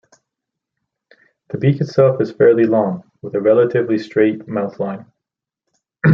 The beak itself is fairly long, with a relatively straight mouthline.